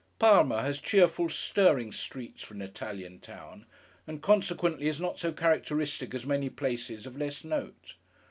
Parma has cheerful, stirring streets, for an Italian town; and consequently is not so characteristic as many places of less note.